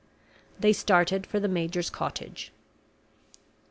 They started for the major's cottage.